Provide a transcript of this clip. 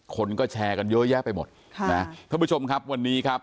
คนก็แชร์กันเยอะแยะไปหมดค่ะนะท่านผู้ชมครับวันนี้ครับ